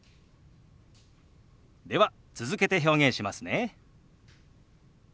では続けて表現しますね。